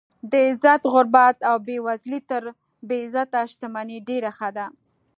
د عزت غربت او بې وزلي تر بې عزته شتمنۍ ډېره ښه ده.